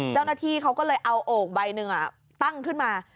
เจ้าหน้าที่เขาก็เลยเอาโอ่งใบหนึ่งตั้งขึ้นมา